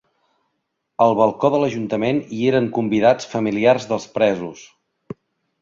Al balcó de l’ajuntament hi eren convidats familiars dels presos.